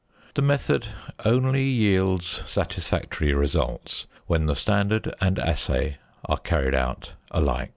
The method only yields satisfactory results when the standard and assay are carried out alike.